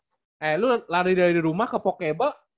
eh lu lari dari rumah ke pokeboy